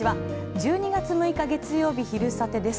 １２月６日月曜日、「昼サテ」です。